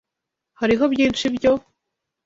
Hariho byinshi byo